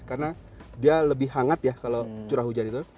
karena dia lebih hangat ya kalau curah hujan itu